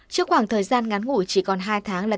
trước khoảng thời gian ngắn ngủ chỉ còn hai tháng là kết thúc